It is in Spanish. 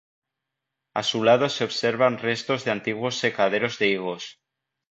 A su lado se observan restos de antiguos secaderos de higos.